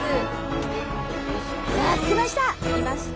さあ着きました！